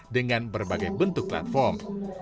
dengan berbagai bentuk platform